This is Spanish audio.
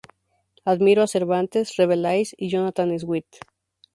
Admiró a Cervantes, Rabelais y Jonathan Swift.